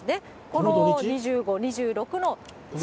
この２５、２６の。